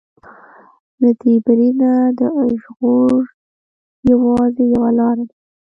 له دې برید نه د ژغور يوازې يوه لاره ده.